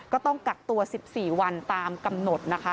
ก็ต้องกักตัว๑๔วันตามกำหนดนะคะ